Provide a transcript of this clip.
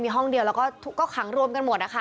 มีห้องเดียวแล้วก็ขังรวมกันหมดนะคะ